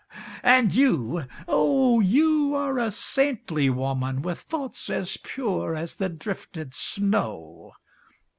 And you? Oh, you are a saintly woman, With thoughts as pure as the drifted snow.